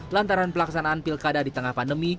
lantaran pelaksanaan pilkada di tengah pandemi